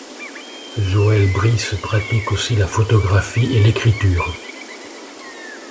Joël Brisse pratique aussi la photographie et l'écriture.